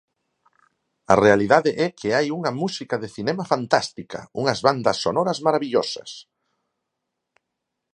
A realidade é que hai unha música de cinema fantástica, unhas bandas sonoras marabillosas.